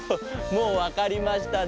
もうわかりましたね？